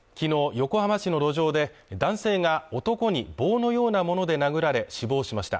横浜市の路上で男性が男に棒のようなもので殴られ死亡しました。